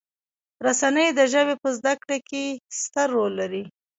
رسنۍ د ژبې په زده کړې کې ستر رول لري.